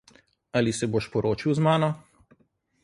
Ali se boš poročil z mano?